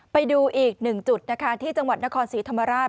ไปดูอีกหนึ่งจุดนะคะที่จังหวัดนครศรีธรรมราช